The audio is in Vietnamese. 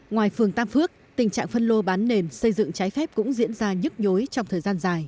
ngoài phường tam phước tình trạng phân lô bán nền xây dựng trái phép cũng diễn ra nhức nhối trong thời gian dài